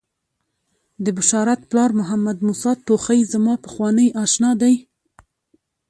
د بشارت پلار محمدموسی توخی زما پخوانی آشنا دی.